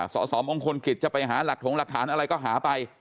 สสมงคลกิจจะไปหาหลักถงหลักฐานอะไรก็หาไป